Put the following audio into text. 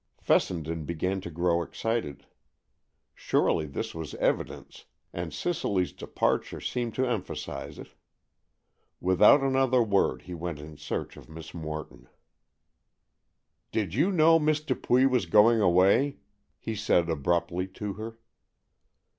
Fessenden began to grow excited. Surely this was evidence, and Cicely's departure seemed to emphasize it. Without another word he went in search of Miss Morton. "Did you know Miss Dupuy was going away?" he said abruptly to her.